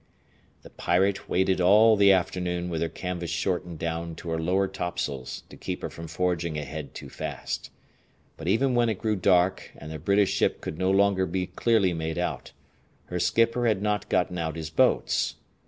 The Pirate waited all the afternoon with her canvas shortened down to her lower topsails to keep her from forging ahead too fast. But even when it grew dark and the British ship could no longer be clearly made out, her skipper had not gotten out his boats.